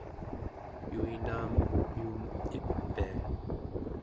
yuinaam yuum ipia